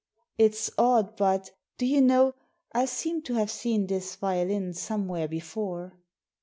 " It's odd, but, do you know, I seem to have seen this violin somewhere before."